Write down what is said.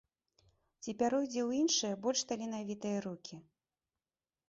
Ці пяройдзе ў іншыя, больш таленавітыя рукі.